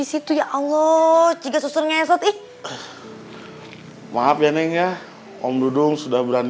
sekedar kamu mau ngomong apa